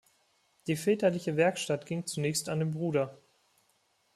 Die väterliche Werkstatt ging zunächst an den Bruder.